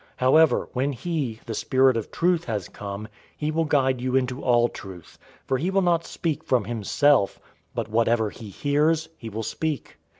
016:013 However when he, the Spirit of truth, has come, he will guide you into all truth, for he will not speak from himself; but whatever he hears, he will speak.